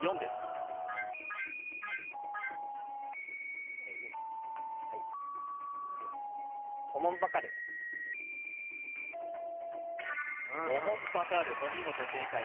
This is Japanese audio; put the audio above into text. ４ですはいえっおもんぱかるお見事正解